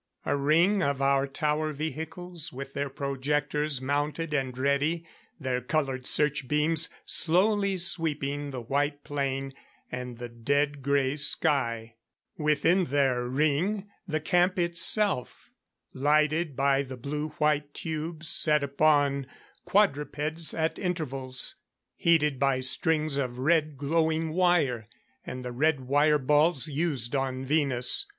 A ring of our tower vehicles, with their projectors mounted and ready, their colored search beams slowly sweeping the white plain and the dead grey sky. Within their ring, the camp itself. Lighted by the blue white tubes set upon quadrupeds at intervals; heated by strings of red glowing wire and the red wire balls used on Venus.